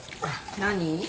何？